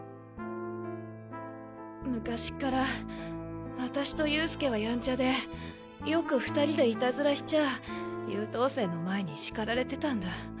昔から私と佑助はやんちゃでよく２人でイタズラしちゃあ優等生の麻衣に叱られてたんだ。